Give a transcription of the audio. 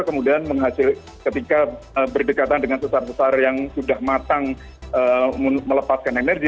kemudian ketika berdekatan dengan sesar sesar yang sudah matang melepaskan energi